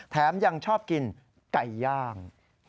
ยังชอบกินไก่ย่าง